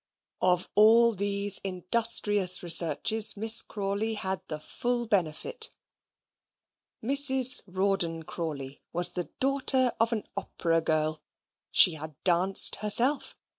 Of all these industrious researches Miss Crawley had the full benefit. Mrs. Rawdon Crawley was the daughter of an opera girl. She had danced herself.